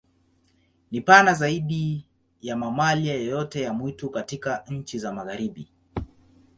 Ni pana zaidi ya mamalia yoyote ya mwitu katika nchi za Magharibi.